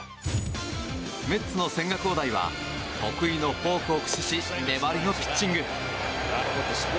メッツの千賀滉大は得意のフォークを駆使し粘りのピッチング。